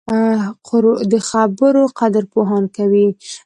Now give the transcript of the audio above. د خبرو قدر پوهان کوي